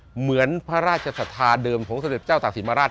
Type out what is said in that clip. เหมือนพระราชสถาเดิมของสมเด็จเจ้าตักศิรมหาราช